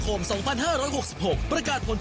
คาถาที่สำหรับคุณ